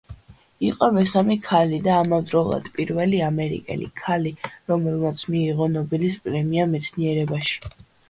იყო მესამე ქალი, და ამავდროულად პირველი ამერიკელი ქალი, რომელმაც მიიღო ნობელის პრემია მეცნიერებაში.